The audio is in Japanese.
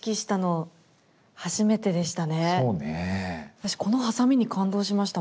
私このハサミに感動しました